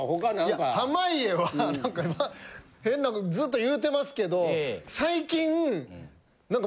いや濱家はなんか変なことずっと言うてますけど最近なんか。